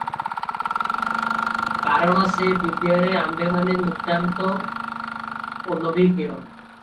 କାରଣ ସେ ବିଦ୍ୟାରେ ଆମ୍ଭେମାନେ ନିତାନ୍ତ ଅନଭିଜ୍ଞ